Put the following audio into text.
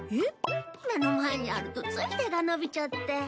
目の前にあるとつい手が伸びちゃって。